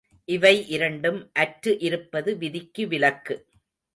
இவை இரண்டும் அற்று இருப்பது விதிக்கு விலக்கு.